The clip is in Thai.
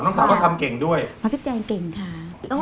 น้องสาวว่าทำเก่งด้วย